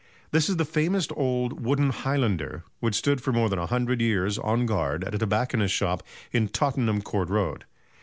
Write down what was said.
This is the famous old wooden highlander which stood for more than a hundred years on guard at a tobacconist's shop in Tottenham Court Road.